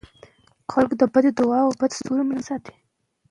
زه د سپک خواړو د سالمو انتخابونو په اړه فکر کوم.